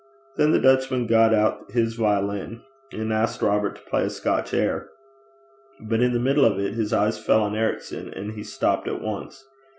Then the Dutchman got out his violin and asked Robert to play a Scotch air. But in the middle of it his eyes fell on Ericson, and he stopped at once.